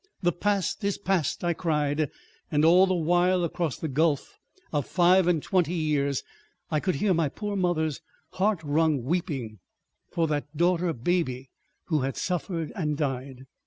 "The past is past," I cried, and all the while across the gulf of five and twenty years I could hear my poor mother's heart wrung weeping for that daughter baby who had suffered and died.